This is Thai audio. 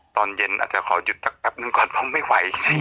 ตอนเย็นอาจจะขอหยุดสักแป๊บนึงก่อนเพราะไม่ไหว